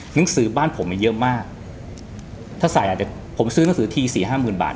หนังสือบ้านผมมันเยอะมากถ้าใส่อาจจะผมซื้อหนังสือทีสี่ห้าหมื่นบาท